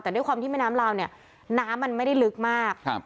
แต่ด้วยความที่แม่น้ำลาวเนี่ยน้ำมันไม่ได้ลึกมากครับ